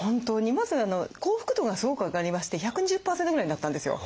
まず幸福度がすごく上がりまして１２０％ぐらいになったんですよ。